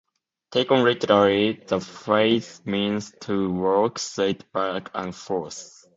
Taken literally, the phrase means to walk straight back and forth.